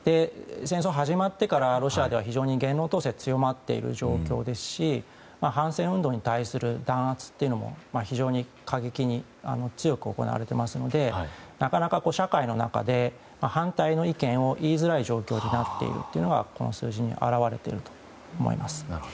戦争が始まってからロシアでは非常に言論統制が強まっている状況ですし反戦運動に対する弾圧というのも非常に過激に強く行われていますのでなかなか社会の中で反対の意見を言いづらい状況になっているのがこの数字に表れていると思います。